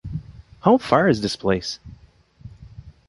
How far is this place?